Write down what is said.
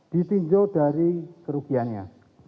ditinjau dari kerugiannya